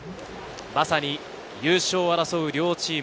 まさに優勝を争う両チーム。